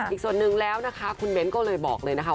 อีกส่วนหนึ่งแล้วนะคะคุณเบ้นก็เลยบอกเลยนะคะ